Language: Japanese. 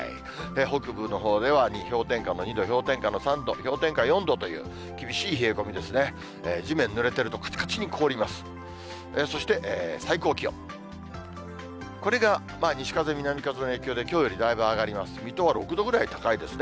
北部のほうでは氷点下の２度、氷点下の３度、氷点下４度という、厳しい冷え込みですね。